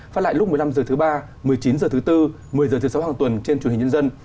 phát lại lúc một mươi năm h thứ ba một mươi chín h thứ tư một mươi h thứ sáu hàng tuần trên truyền hình nhân dân